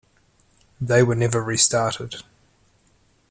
They were never restarted.